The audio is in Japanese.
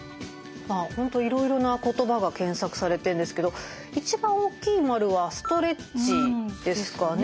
本当いろいろな言葉が検索されてるんですけど一番大きい円は「ストレッチ」ですかね。